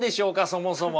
そもそも。